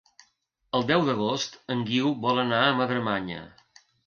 El deu d'agost en Guiu vol anar a Madremanya.